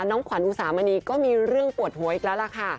น้องขวัญอุสามณีก็มีเรื่องปวดหัวอีกแล้วล่ะค่ะ